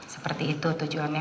seperti itu tujuannya